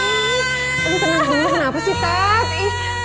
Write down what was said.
ih tenang dulu kenapa sih tat